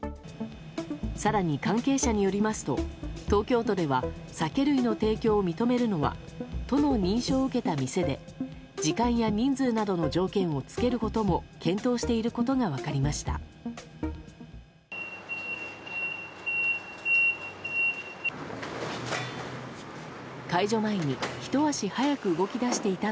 更に関係者によりますと東京都では酒類の提供を認めるのは都の認証を受けた店で時間や人数などの条件を付けることも検討していることが分かりました。